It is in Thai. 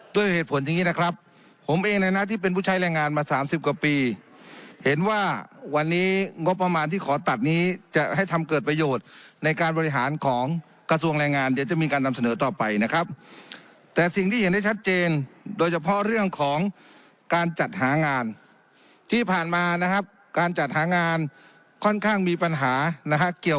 ด้วยเหตุผลอย่างนี้นะครับผมเองในหน้าที่เป็นผู้ใช้แรงงานมาสามสิบกว่าปีเห็นว่าวันนี้งบประมาณที่ขอตัดนี้จะให้ทำเกิดประโยชน์ในการบริหารของกระทรวงแรงงานเดี๋ยวจะมีการนำเสนอต่อไปนะครับแต่สิ่งที่เห็นได้ชัดเจนโดยเฉพาะเรื่องของการจัดหางานที่ผ่านมานะครับการจัดหางานค่อนข้างมีปัญหานะฮะเกี่ยว